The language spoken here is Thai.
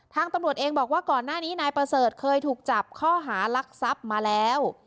ตำรวจเองบอกว่าก่อนหน้านี้นายประเสริฐเคยถูกจับข้อหารักทรัพย์มาแล้ว